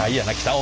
お！